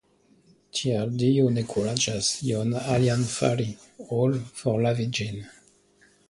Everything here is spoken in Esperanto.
Tial Dio ne kuraĝas ion alian fari, ol forlavi ĝin!